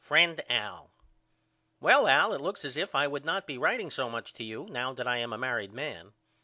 FRIEND AL: Well Al it looks as if I would not be writeing so much to you now that I am a married man.